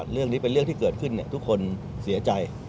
เรื่องนี้เป็นเรื่องที่เกิดขึ้นทุกคนเสียใจ